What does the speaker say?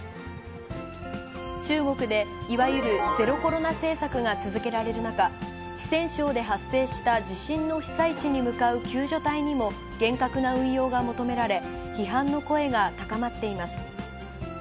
中国で、いわゆるゼロコロナ政策が続けられる中、四川省で発生した地震の被災地に向かう救助隊にも、厳格な運用が求められ、批判の声が高まっています。